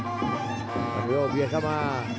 วันบริโยคเบียดเข้ามา